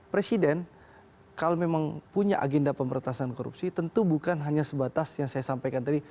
presiden kalau memang punya agenda pemberantasan korupsi tentu bukan hanya sebatas yang saya sampaikan tadi